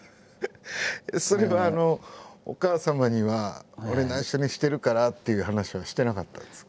それはお母様には「俺ないしょにしてるから」っていう話はしてなかったんですか？